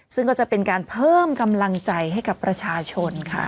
ซึ่งก็จะเป็นการเพิ่มกำลังใจให้กับประชาชนค่ะ